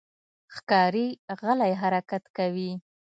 ښکاري غلی حرکت کوي.